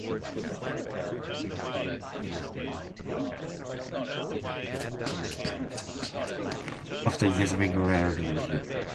After gathering reinforcements from Frelia.